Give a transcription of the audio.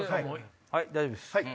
はい大丈夫です。